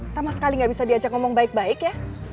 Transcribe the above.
sama sekali nggak bisa diajak ngomong baik baik ya